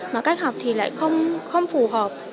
mà cách học thì lại không phù hợp